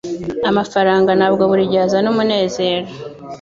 Amafaranga ntabwo buri gihe azana umunezero